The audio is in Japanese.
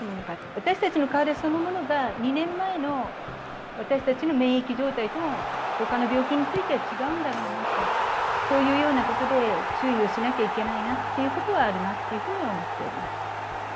私たちの体そのものが２年前の私たちの免疫状態とも他の病気について、違うんだろうなとそういうようなことで注意しなければいけないなということはあるなとは思っています。